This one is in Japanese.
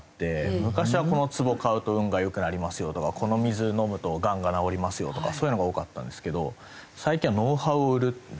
昔はこのつぼ買うと運が良くなりますよとかこの水飲むとがんが治りますよとかそういうのが多かったんですけど最近はノウハウを売るんですね。